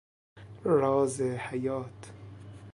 راز حیات